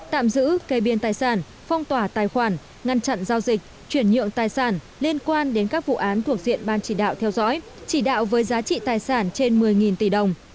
tạm giữ cây biên tài sản phong tỏa tài khoản ngăn chặn giao dịch chuyển nhượng tài sản liên quan đến các vụ án thuộc diện ban chỉ đạo theo dõi chỉ đạo với giá trị tài sản trên một mươi tỷ đồng